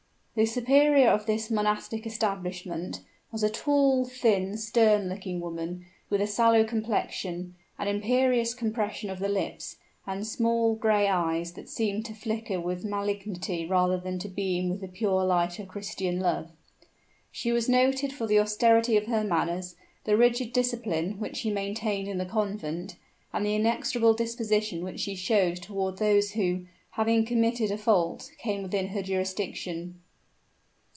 The superior of this monastic establishment, was a tall, thin, stern looking woman, with a sallow complexion, an imperious compression of the lips, and small, grey eyes, that seemed to flicker with malignity rather than to beam with the pure light of Christian love. She was noted for the austerity of her manners, the rigid discipline which she maintained in the convent, and the inexorable disposition which she showed toward those who, having committed a fault, came within her jurisdiction.